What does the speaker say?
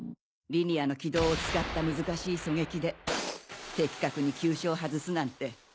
リニアの軌道を使った難しい狙撃で的確に急所を外すなんて。